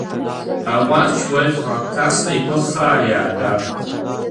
Аҟәарч уажә ҳлагәҭасны иԥыххаа иаагап!